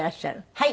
はい。